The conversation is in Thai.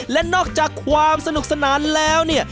และนอกจากความสนุกสนานแล้วเนี่ย